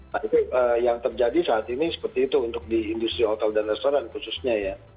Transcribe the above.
nah itu yang terjadi saat ini seperti itu untuk di industri hotel dan restoran khususnya ya